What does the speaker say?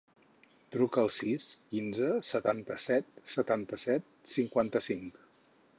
Truca al sis, quinze, setanta-set, setanta-set, cinquanta-cinc.